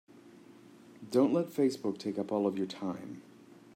Don't let Facebook take up all of your time.